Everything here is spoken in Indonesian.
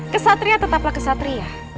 kesatria tetaplah kesatria